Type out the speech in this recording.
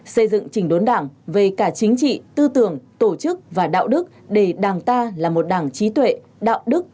xây dựng trình đốn đảng về cả chính trị tư tưởng tổ chức và đạo đức để đảng ta là một đảng trí tuệ đạo đức